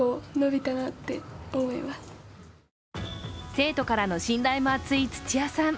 生徒からの信頼も厚い土屋さん。